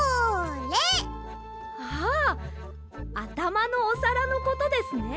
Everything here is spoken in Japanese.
あああたまのおさらのことですね。